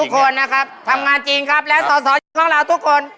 คำถามจริงครับและสอดของเราทุกคน